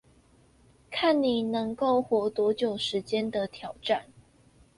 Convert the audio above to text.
看你能夠活多久時間的挑戰